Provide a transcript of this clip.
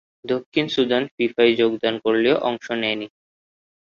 দক্ষিণ সুদান ফিফায় যোগদান করলেও অংশ নেয়নি।